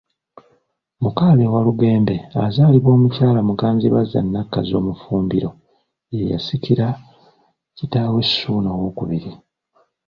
Mukaabya Walugembe azaalibwa Omukyala Muganzirwazza Nakkazi Omufumbiro, ye yasikira kitaawe Ssuuna II.